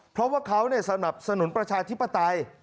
เพราะว่าเขาสนับสนุนประชาธิปไตย